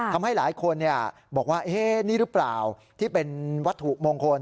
ทำให้หลายคนบอกว่านี่หรือเปล่าที่เป็นวัตถุมงคล